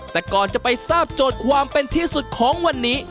แต่ก่อนจะไปทราบโจทย์ความเป็นที่สุดของวันนี้